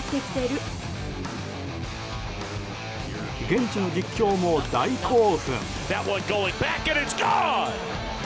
現地の実況も大興奮。